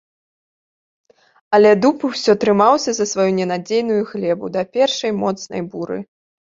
Але дуб усё трымаўся за сваю ненадзейную глебу да першай моцнай буры.